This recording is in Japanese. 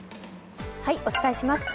お伝えします。